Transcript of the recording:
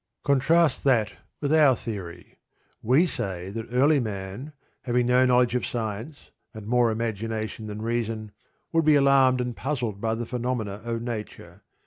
Contrast that with our theory. We say that early man, having no knowledge of science, and more imagination than reason, would be alarmed and puzzled by the phenomena of Nature.